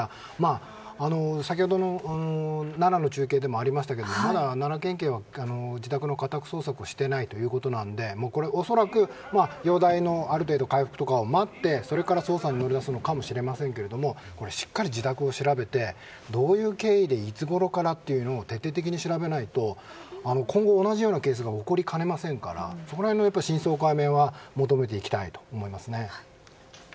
先ほどの奈良の中継でもありましたけれども奈良県警は自宅の家宅捜索をしていないということなのでこれは恐らく、容体のある程度の回復とかを待ってそれから捜査に乗り出すのかもしれませんけれどもしっかり自宅を調べてどういう経緯でいつごろからというのを徹底的に調べないと今後、同じようなケースが起こりかねませんからそこら辺の真相解明は求めていきたいと思いますね。